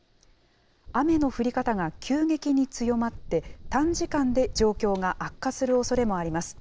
雨の降り方が急激に強まって、短時間で状況が悪化するおそれもあります。